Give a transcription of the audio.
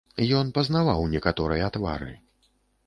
Ён пазнаваў некаторыя твары.